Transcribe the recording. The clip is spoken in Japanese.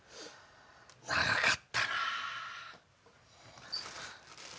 長かったな。